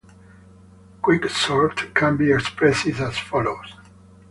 Quicksort can be expressed as follows.